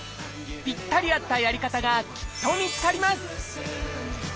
ぴったり合ったやり方がきっと見つかります！